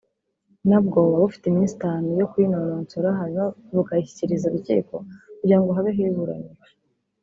nabwo buba bufite iminsi itanu yo kuyinononsora hanyuma bukayishyikiriza urukiko kugira ngo habeho iburanisha